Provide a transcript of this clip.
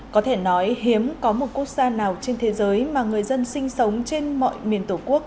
có thể nói hiếm có một quốc gia nào trên thế giới mà người dân sinh sống trên mọi miền tổ quốc